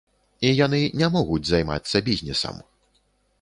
І яны не могуць займацца бізнесам.